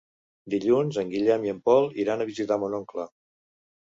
Dilluns en Guillem i en Pol iran a visitar mon oncle.